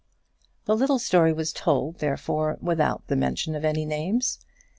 The little story was told, therefore, without the mention of any names.